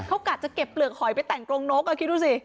เขากะจะเก็บเปลือกหอยไปแต่งกรงนกคิดดูสิ